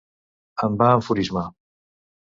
Em va enfurismar.